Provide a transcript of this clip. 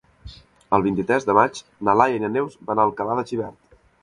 El vint-i-tres de maig na Laia i na Neus van a Alcalà de Xivert.